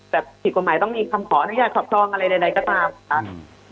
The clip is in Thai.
แบบผิดกฎหมายต้องมีคำขอนักยาวขับทองอะไรใดใดก็ตามอืม